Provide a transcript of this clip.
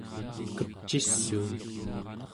kepcissuun